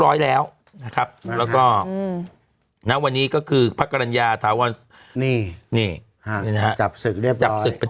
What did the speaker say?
ร้อยแล้วนะวันนี้ก็คือพระกรรณญาถาวรธรรมจับศึกเป็น